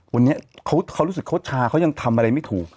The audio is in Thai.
วันนี้เขารู้สึกเขาชาเขายังทำอะไรไม่ถูก